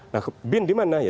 nah bin dimana ya